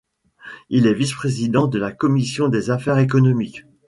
Il est vice-président de la Commission des affaires économiques.